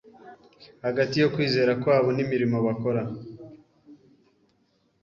hagati yo kwizera kwabo n’imirimo bakora